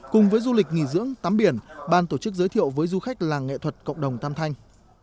cùng với du lịch nghỉ dưỡng tắm biển ban tổ chức giới thiệu với du khách làng nghệ thuật cộng đồng tam thanh